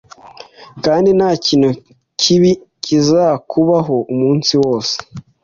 kandi ntakintu kibi kizakubaho umunsi wose